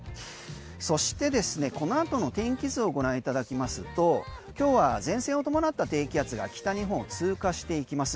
そして、この後の天気図をご覧いただきますと今日は前線を伴った低気圧が北日本を通過していきます。